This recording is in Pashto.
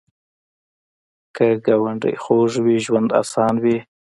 که ګاونډي خوږ وي، ژوند اسان وي